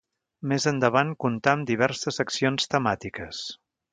Més endavant comptà amb diverses seccions temàtiques.